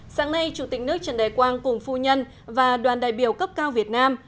sáng nay chủ tịch nước trần đại quang cùng phu nhân và đoàn đại biểu cấp cao việt nam